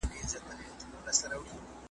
ستا بچیان هم زموږ په څېر دي نازولي؟ .